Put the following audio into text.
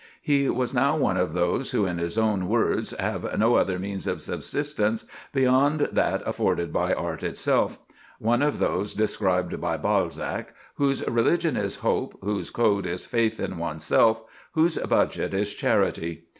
He was now one of those who, in his own words, have no other means of subsistence beyond that afforded by art itself; one of those described by Balzac, "whose religion is hope, whose code is faith in oneself, whose budget is charity."